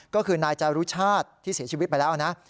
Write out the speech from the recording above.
ก็คือนายจารุชาติที่เสียชีวิตไปแล้วนะ